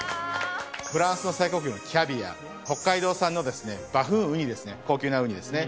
フランスの最高級のキャビア、北海道産のバフンウニですね、高級なウニですね。